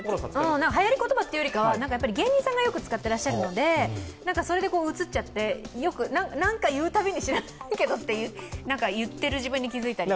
はやり言葉というよりかは芸人さんがよく使っていらっしゃるのでそれでうつっちゃって、何か言うたびに知らんけどって言っている自分に気づいたり。